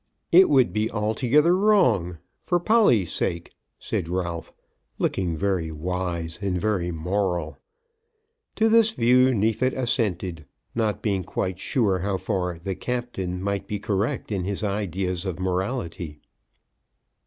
"It would be altogether wrong, for Polly's sake," said Ralph, looking very wise and very moral. To this view Neefit assented, not being quite sure how far "the Captain" might be correct in his ideas of morality.